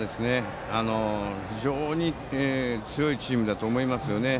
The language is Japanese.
非常に強いチームだと思いますよね。